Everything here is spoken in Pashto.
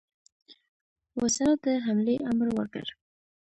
وایسرا د حملې امر ورکړ.